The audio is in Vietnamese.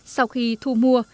sau khi thu mua